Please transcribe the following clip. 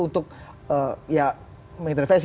untuk ya mengintervensi